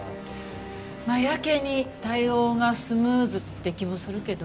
まあやけに対応がスムーズって気もするけど。